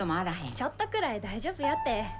ちょっとくらい大丈夫やて。